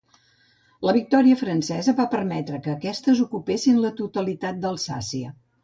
La victòria francesa va permetre que aquestes ocupessin la totalitat d'Alsàcia.